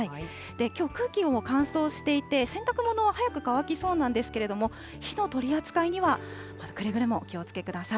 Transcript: きょう、空気も乾燥していて、洗濯物は速く乾きそうなんですけれども、火の取り扱いには、くれぐれもお気をつけください。